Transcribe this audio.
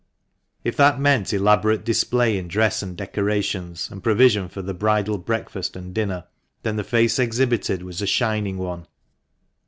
If that meant elaborate display in dress and decorations, and provision for the bridal breakfast and dinner, then the face exhibited was a shining one.